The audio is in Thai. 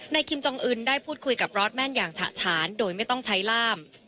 คิมจองอื่นได้พูดคุยกับรอสแม่นอย่างฉะฉานโดยไม่ต้องใช้ล่าม